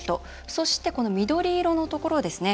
そして、この緑色のところですね